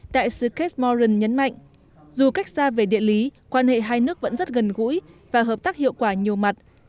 đại sứ kate moran nhấn mạnh dù cách xa về địa lý quan hệ hai nước vẫn rất gần gũi và hợp tác hiệu quả nhiều mặt